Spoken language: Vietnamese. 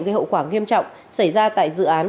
gây hậu quả nghiêm trọng xảy ra tại dự án